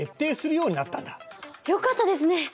よかったですね！